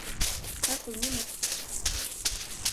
Han sjunger mest.